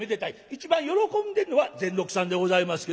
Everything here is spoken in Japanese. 一番喜んでんのは善六さんでございますけど。